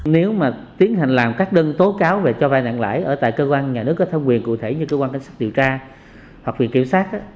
nếu mà tiến hành làm các đơn tố cáo về cho vây nạn lãi ở tại cơ quan nhà nước có thông quyền cụ thể như cơ quan đánh sát điều tra hoặc quyền kiểm sát